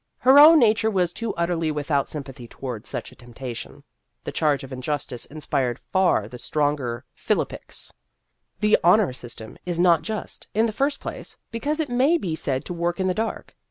Her own nature was too utterly without sympathy toward such a temptation. The charge of injustice inspired far the stronger The Career of a Radical 119 philippics. The " Honor System" is not just, in the first place, because it may be said to work in the dark.